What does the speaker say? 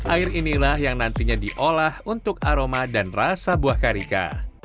air inilah yang nantinya diolah untuk aroma dan rasa buah karika